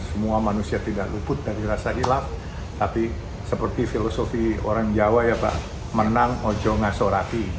semua manusia tidak luput dari rasa hilaf tapi seperti filosofi orang jawa ya pak menang ojo ngasoraki